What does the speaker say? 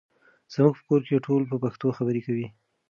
زموږ په کور کې ټول په پښتو خبرې کوي.